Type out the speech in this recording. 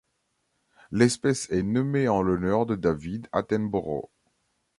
L'espèce est nommée en l'honneur de David Attenborough.